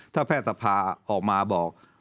ถ้าแพทย์สภาออกมาบอก